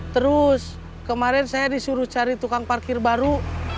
terus kemarin saya disuruh cari tukang parkir baru